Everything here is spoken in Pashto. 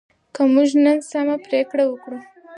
که موږ نن سمه پریکړه وکړو.